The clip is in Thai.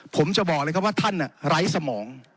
ผมจะบอกเลยครับว่าท่านไร้สมอง